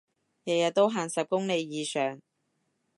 日日都行十公里以上